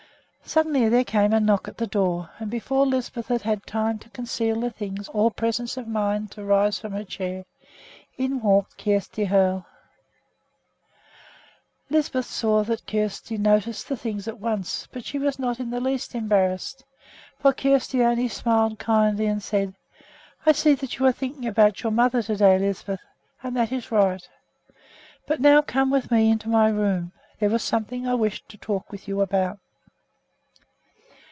Suddenly there came a knock at the door; and before Lisbeth had had time to conceal the things, or presence of mind enough to rise from her chair, in walked Kjersti Hoel. Lisbeth saw that Kjersti noticed the things at once, but she was not in the least embarrassed, for Kjersti only smiled kindly and said: "I see that you are thinking about your mother to day, Lisbeth, and that is right; but now come with me into my room. There is something I wish to talk with you about."